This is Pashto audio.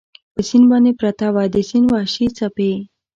پر سیند باندې پرته وه، د سیند وحشي څپې.